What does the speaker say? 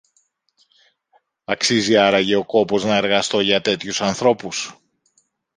Αξίζει άραγε ο κόπος να εργαστώ για τέτοιους ανθρώπους